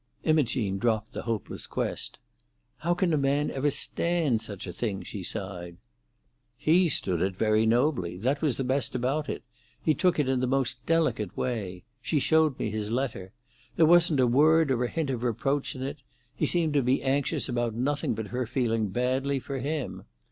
Imogene dropped the hopeless quest, "How can a man ever stand such a thing?" she sighed. "He stood it very nobly. That was the best thing about it; he took it in the most delicate way. She showed me his letter. There wasn't a word or a hint of reproach in it; he seemed to be anxious about nothing but her feeling badly for him.